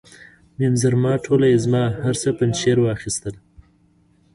میم زرما ټوله یې زما، هر څه پنجشیر واخیستل.